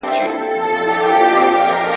اوبه مو ګرمي دي په لاس کي مو ډوډۍ سړه ده !.